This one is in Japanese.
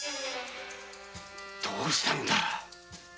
どうしたんだ。